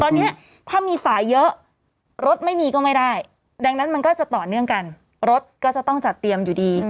ตอนนี้ถ้ามีสายเยอะรถไม่มีก็ไม่ได้ดังนั้นมันก็จะต่อเนื่องกันรถก็จะต้องจัดเตรียมอยู่ดี